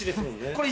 これ。